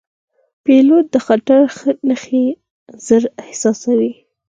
پیلوټ د خطر نښې ژر احساسوي.